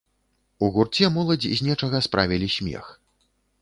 У гурце моладзь з нечага справілі смех.